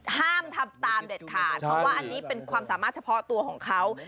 ห้ามทำตามเด็ดขาดเพราะว่าอันนี้เป็นความสามารถเฉพาะตัวของเขา